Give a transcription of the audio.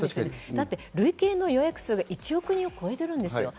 だって累計の予約数で１億人を超えてるんですよ。